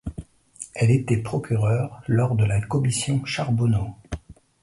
Elle était procureure lors de la Commission Charbonneau.